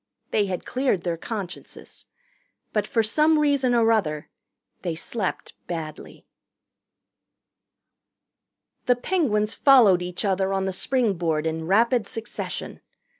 They had cleared their consciences. But for some reason or other they slept badly. The Penguins followed each other on the springboard in rapid succession.